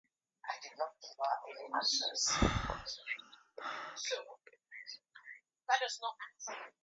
While some swear by crossfeed, many prefer amplifiers without it.